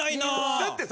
だってさ